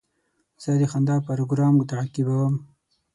زه د خندا پروګرام تعقیبوم.